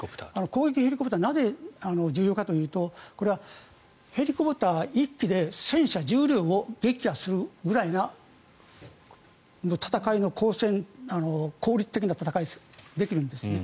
攻撃ヘリコプターなぜ重要かというとこれはヘリコプター１機で戦車１０両を撃破するぐらいな効率的な戦い方ができるんですね。